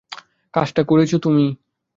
কাজটা করছো তুমি?